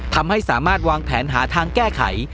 ทำให้สามารถวางแผนหาทางแก้ไข